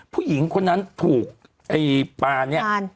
ผู้หญิงคนนั้นถูกไอ้ปานเนี่ย